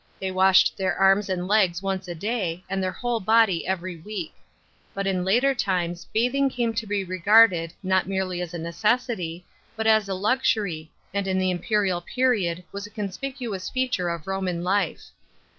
They washed their arms and legs once a day, and their whole body every week. But in Inter times bathing came to be regarded, not merely as a necessity, but as a luxury, and in the imperial period was a conspicuous feature of Roman life.